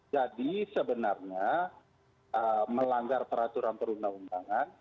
jadi sebenarnya melanggar peraturan perundang undangan